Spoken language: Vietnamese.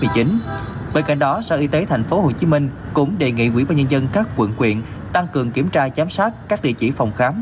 bên cạnh đó sở y tế tp hcm cũng đề nghị quỹ ba nhân dân các quận quyện tăng cường kiểm tra giám sát các địa chỉ phòng khám